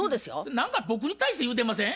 何か僕に対して言うてません？